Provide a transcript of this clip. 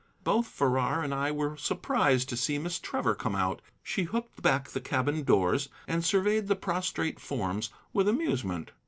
Both Farrar and I were surprised to see Miss Trevor come out; she hooked back the cabin doors and surveyed the prostrate forms with amusement.